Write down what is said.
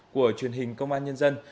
của truyền hình công an nhân dân